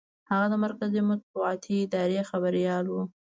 هغه د مرکزي مطبوعاتي ادارې خبریال و.